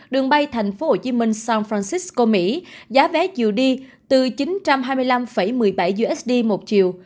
đường bay thành phố hồ chí minh san francisco mỹ giá vé chiều đi từ chín trăm hai mươi năm một mươi bảy usd một chiều